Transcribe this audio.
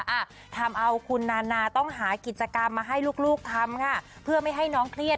อ่ะทำเอาคุณนานาต้องหากิจกรรมมาให้ลูกลูกทำค่ะเพื่อไม่ให้น้องเครียด